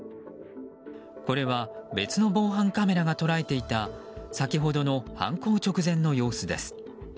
これは別の防犯カメラが捉えていた先ほどの犯行直前の様子です。